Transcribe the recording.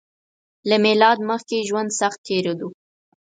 له میلاد مخکې ژوند سخت تېریدو